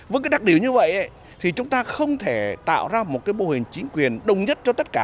với cái đặc điểm như vậy thì chúng ta không thể tạo ra một cái mô hình chính quyền đồng nhất cho tất cả